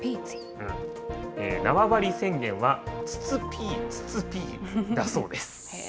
縄張り宣言は、ツツピーツツピーだそうです。